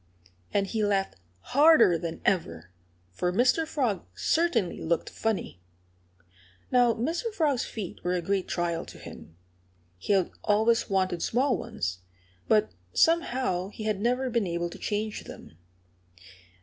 And he laughed harder than ever; for Mr. Frog certainly looked funny. Now, Mr. Frog's feet were a great trial to him. He had always wanted small ones. But somehow he had never been able to change them.